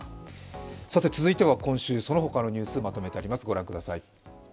続いては今週、そのほかのニュースをまとめてあります。